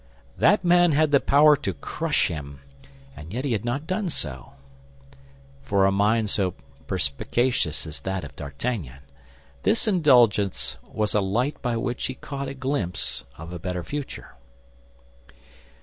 That man had the power to crush him, and yet he had not done so. For a mind so perspicuous as that of D'Artagnan, this indulgence was a light by which he caught a glimpse of a better future.